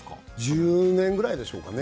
１０年ぐらいでしょうかね。